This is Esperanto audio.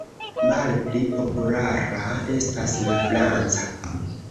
Malpli populara estas la franca.